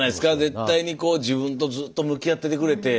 絶対に自分とずっと向き合っててくれて。